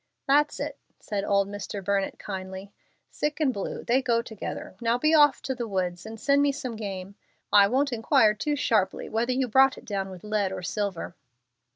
"That's it," said old Mr. Burnett, kindly. "Sick and blue, they go together. Now be off to the woods, and send me some game. I won't inquire too sharply whether you brought it down with lead or silver."